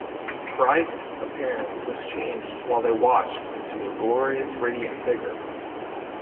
Christ's appearance was changed while they watched into a glorious radiant figure.